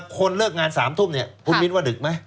คนเลิกงาน๓ทุ่มเนี่ยคุณมิ้นว่าดึกไหม